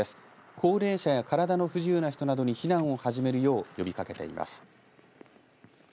高齢者や体の不自由な人などに避難を始めるよう呼びかけています。